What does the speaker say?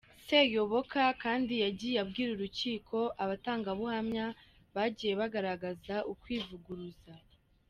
Seyoboka kandi yagiye abwira urukiko abatangabuhamya bagiye bagaragaza ukwivuguruza.